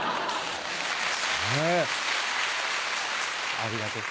ありがとう。